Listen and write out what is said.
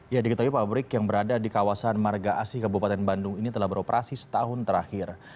ya diketahui pabrik yang berada di kawasan marga asih kabupaten bandung ini telah beroperasi setahun terakhir